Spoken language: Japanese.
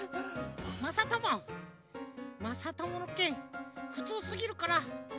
まさともまさとものけんふつうすぎるからかえといたよ。